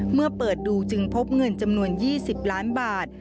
เมื่อเปิดดูจึงพบเงินจำนวน๒๐ล้านบาท